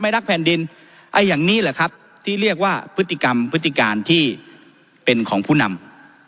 รักแผ่นดินไอ้อย่างนี้แหละครับที่เรียกว่าพฤติกรรมพฤติการที่เป็นของผู้นำ